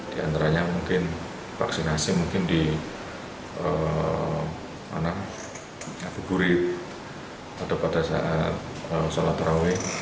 di antaranya mungkin vaksinasi mungkin di ngabuburit atau pada saat sholat terawih